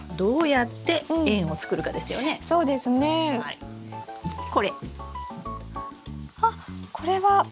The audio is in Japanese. あっこれは鉢皿。